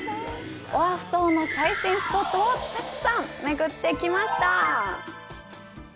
オアフ島の最新スポットをたくさんめぐってきました。